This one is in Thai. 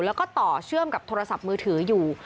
แล้วก็ต่อเชื่อมกับโทรศัพท์มือถืออยู่